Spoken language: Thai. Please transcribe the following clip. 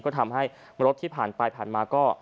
ก็ทำให้รถที่ผ่านไปผ่านมาก็